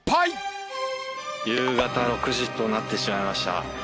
夕方６時となってしまいました。